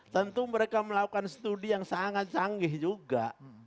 tentu mereka melakukan studi yang sangat canggih juga